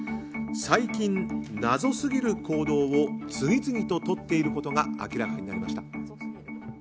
最近、謎すぎる行動を次々ととっていることが明らかになりました。